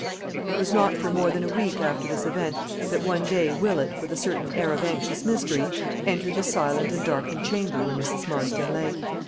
It was not for more than a week after this event, that one day Willett, with a certain air of anxious mystery, entered the silent and darkened chamber where Mrs. Marston lay.